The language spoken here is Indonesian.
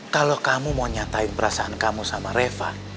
kalau kamu mau nyatain perasaan kamu sama reva